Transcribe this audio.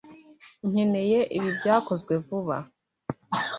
Nkeneye ibi byakozwe vuba.